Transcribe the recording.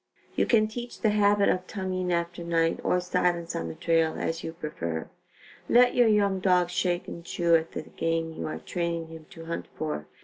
You can teach the habit of tongueing after night or silence on the trail as you prefer. Let your young dog shake and chew at the game you are training him to hunt for.